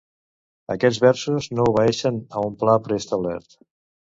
Aquests versos no obeeixen a un pla preestablert